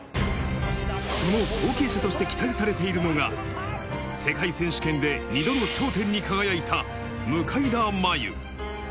その後継者として期待されているのが、世界選手権で２度の頂点に輝いた向田真優。